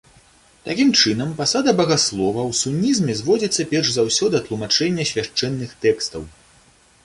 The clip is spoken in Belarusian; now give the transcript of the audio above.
Такім чынам, пасада багаслова ў сунізме зводзіцца перш за ўсё да тлумачэння свяшчэнных тэкстаў.